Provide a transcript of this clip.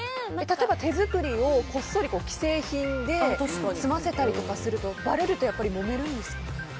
例えば手作りをこっそり既製品で済ませたりとかするとばれると、もめるんですかね？